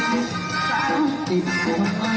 กลับมาเท่าไหร่